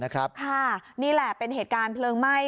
นี่แหละเป็นเหตุการณ์เพลิงไหม้